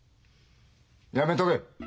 やめとけ。